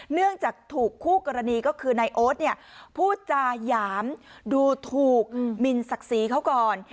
เนื่องจากถูกคู่กรณีก็คือนายโอ๊ตเนี่ยพูดจาหยามดูถูกมินศักดิ์ศรีเขาก่อน